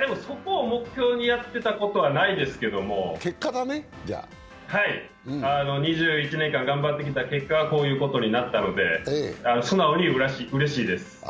でも、そこを目標にやっていたことはないですけど２１年やってきた結果がこういうことになったので素直にうれしいです。